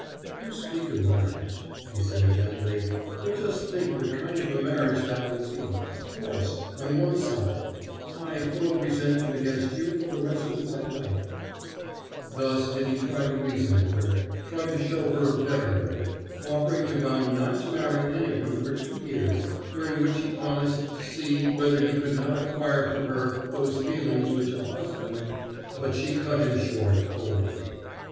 "You speak of marriage," he said gently, "but just think what kind of a marriage that would be forced, on one side I full of resentment against you for the rest of my life " Thus did he try to reason with her, tried to show her a better way, offering to vow not to marry anyone for two years, during which he promised to see whether he could not acquire for her those feelings which a husband But she cut him short coldly.